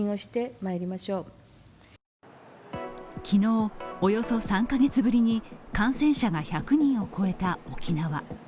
昨日、およそ３カ月ぶりに感染者が１００人を超えた沖縄。